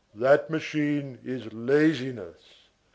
That machine is laziness.